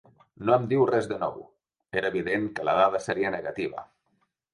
No em diu res de nou: era evident que la dada seria negativa.